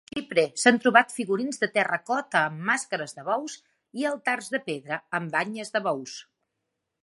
A Xipre s'han trobat figurins de terracota amb màscares de bous i altars de pedra amb banyes de bous.